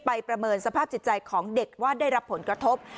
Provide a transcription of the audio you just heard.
ประเมินสภาพจิตใจของเด็กว่าได้รับผลกระทบ